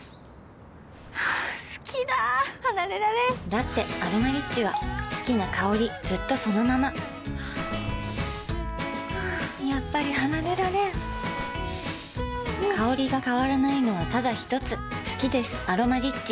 好きだ離れられんだって「アロマリッチ」は好きな香りずっとそのままやっぱり離れられん香りが変わらないのはただひとつ好きです「アロマリッチ」